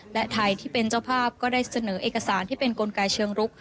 และไทยที่เป็นเจ้าภาพก็ได้เสนอเอกสารที่เป็นกลไกเชิงรุก